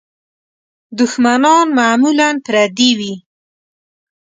دوښمنان معمولاً پردي وي.